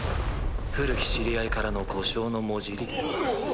古き知り合いからの呼称のもじりです。